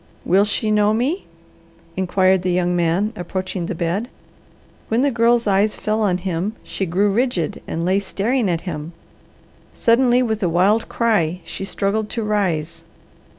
"Will she know me?" inquired the young man, approaching the bed. When the Girl's eyes fell on him she grew rigid and lay staring at him. Suddenly with a wild cry she struggled to rise.